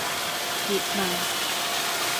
葉問